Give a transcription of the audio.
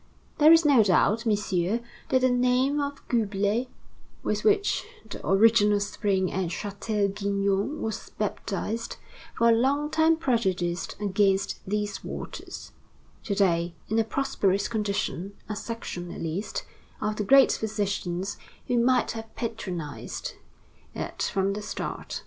There is no doubt, Messieurs, that the name of Gubler, with which the original spring at Chatel Guyon was baptized, for a long time prejudiced against these waters, to day in a prosperous condition, a section, at least, of the great physicians, who might have patronized it from the start.